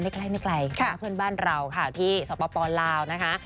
ใกล้มาเพื่อนบ้านเราที่สปปลาวด์นะคะ